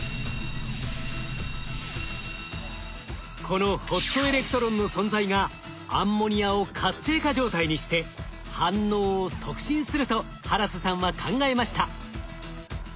このホットエレクトロンの存在がアンモニアを活性化状態にして反応を促進するとハラスさんは考えました。